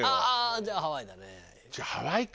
じゃあハワイか。